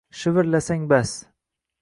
shivirlasang bas